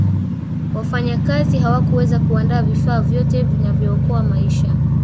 wafanyakazi hawakuweza kuandaa vifaa vyote vinavyookoa maisha